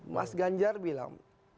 mas ganjar bilang